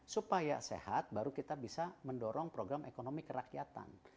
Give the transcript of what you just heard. supaya sehat baru kita bisa mendorong program ekonomi kerakyatan